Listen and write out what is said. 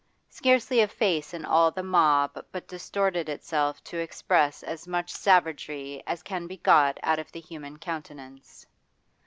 Scarcely a face in all the mob but distorted itself to express as much savagery as can be got out of the human countenance.